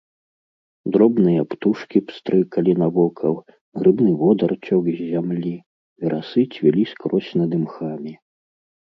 Дробныя птушкі пстрыкалі навокал, грыбны водар цёк з зямлі, верасы цвілі скрозь над імхамі.